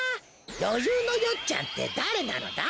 よゆうのよっちゃんってだれなのだ！